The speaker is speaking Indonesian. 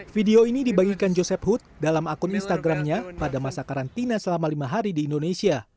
video ini dibagikan joseph hood dalam akun instagramnya pada masa karantina selama lima hari di indonesia